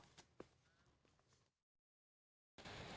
ครับ